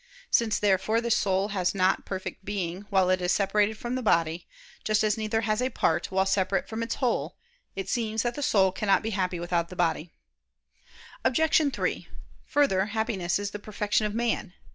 Since, therefore, the soul has not perfect being, while it is separated from the body, just as neither has a part, while separate from its whole; it seems that the soul cannot be happy without the body. Obj. 3: Further, Happiness is the perfection of man.